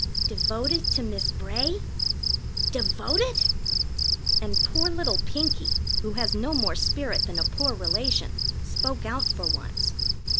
"Devoted to Miss Bray? Devoted!" And poor little Pinkie, who has no more spirit than a poor relation, spoke out for once.